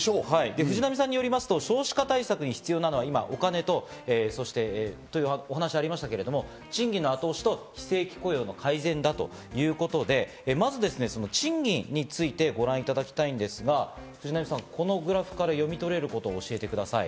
藤波さんによりますと、お金という話がありましたが、賃金の押し上げと非正規雇用の改善ということで、まず賃金についてご覧いただきたいんですが、藤波さん、このグラフから読み取れることを教えてください。